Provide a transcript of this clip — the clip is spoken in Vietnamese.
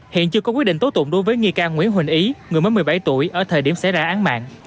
hiện chưa có quyết định tố tụng đối với nghi can nguyễn huỳnh ý người mới một mươi bảy tuổi ở thời điểm xảy ra án mạng